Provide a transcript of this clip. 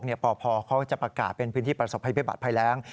ปพเขาจะประกาศเป็นพื้นที่ประสบภัยพิบัตรภัยแรง